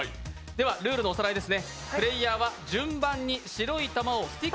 ではルールのおさらいです。